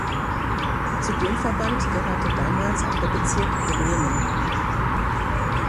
Zu dem Verband gehörte damals auch der Bezirk Bremen.